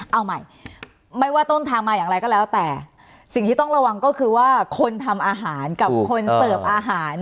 เอาใหม่ไม่ว่าต้นทางมาอย่างไรก็แล้วแต่สิ่งที่ต้องระวังก็คือว่าคนทำอาหารกับคนเสิร์ฟอาหาร